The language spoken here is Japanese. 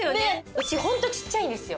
うちホントちっちゃいんですよ。